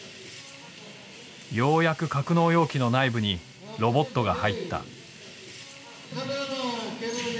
ようやく格納容器の内部にロボットが入った。